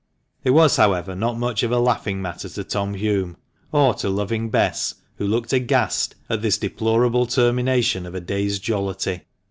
It was, however, not much of a laughing matter to Tom Hulme, or to loving Bess, who looked aghast at this deplorable termination 316 THE MANCHESTER MAN. of a day's jollity.